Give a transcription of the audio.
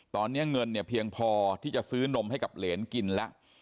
ตอนนี้เงินเนี่ยเพียงพอที่จะซื้อนมให้กับเหรนกินแล้ว